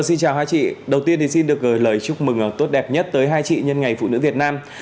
xin chào chị đầu tiên thì xin được gửi lời chúc mừng tốt đẹp nhất tới hai chị nhân ngày phụ nữ việt nam